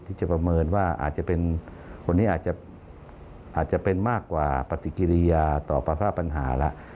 ที่จะประเมินว่าคนนี้อาจจะเป็นมากกว่าปฏิกิริยาต่อภาพภาพปัญหาล่ะ